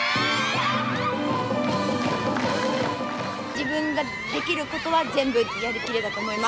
自分ができることは全部やりきれたと思います。